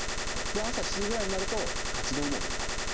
朝７時ぐらいになると活動モードになる。